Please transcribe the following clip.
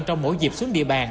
trong mỗi dịp xuống địa bàn